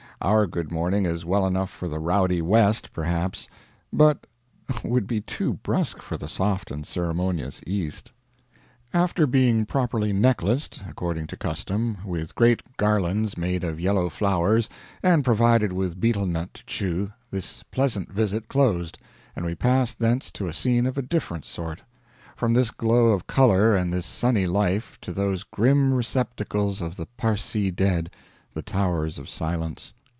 Our good morning is well enough for the rowdy West, perhaps, but would be too brusque for the soft and ceremonious East. After being properly necklaced, according to custom, with great garlands made of yellow flowers, and provided with betel nut to chew, this pleasant visit closed, and we passed thence to a scene of a different sort: from this glow of color and this sunny life to those grim receptacles of the Parsee dead, the Towers of Silence.